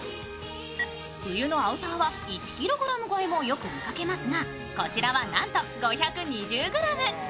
冬のアウターは１ｋｇ超えもよく見かけますが、こちらはなんと５２０ｇ。